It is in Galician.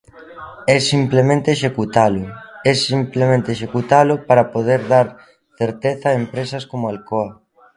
É simplemente executalo, é simplemente executalo para poder dar certeza a empresas como Alcoa.